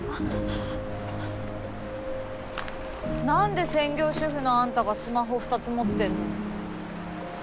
なんで専業主婦のあんたがスマホ２つ持ってるの？